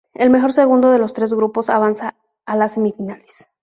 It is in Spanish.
El mejor segundo de los tres grupos avanza a las semifinales.